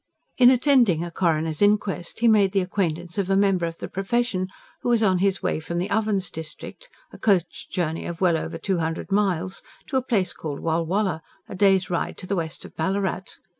In attending a coroner's inquest, he made the acquaintance of a member of the profession who was on his way from the Ovens district a coach journey of well over two hundred miles to a place called Walwala, a day's ride to the west of Ballarat.